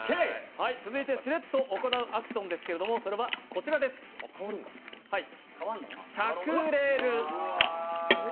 続いてしれっと行うアクションですが、それはこちらです、「しゃくれる」。